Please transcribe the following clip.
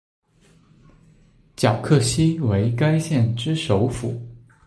皎克西为该县之首府。